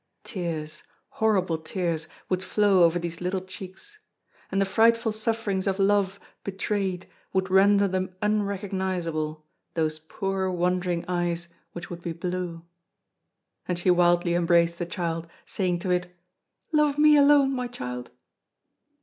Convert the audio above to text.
Tears, horrible tears, would flow over these little cheeks. And the frightful sufferings of love betrayed would render them unrecognizable, those poor wandering eyes which would be blue. And she wildly embraced the child, saying to it: "Love me alone, my child!"